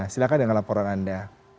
silahkan dengan laporan anda